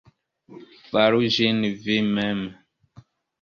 Faru ĝin vi mem'.